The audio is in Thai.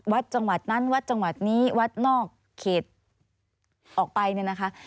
วัดจังหวัดนั้นวัดจังหวัดนี้วัดนอกเขตออกไปเนี่ยนะคะ